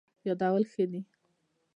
یادول ښه دی.